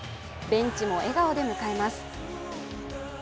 ベンチも笑顔で迎えます。